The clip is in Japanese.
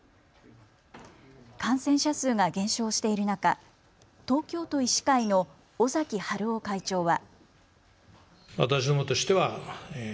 感染者数が減少している中、東京都医師会の尾崎治夫会長は。